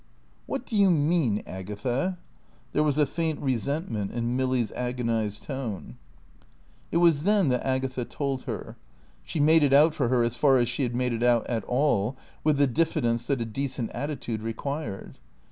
"What do you mean, Agatha?" (There was a faint resentment in Milly's agonised tone.) It was then that Agatha told her. She made it out for her as far as she had made it out at all, with the diffidence that a decent attitude required.